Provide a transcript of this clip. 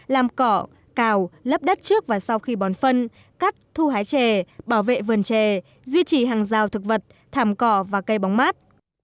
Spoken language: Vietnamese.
làm cỏ cào lấp đất trước và sau khi bón phân cắt thu hái chè bảo vệ vườn trè duy trì hàng rào thực vật thảm cỏ và cây bóng mát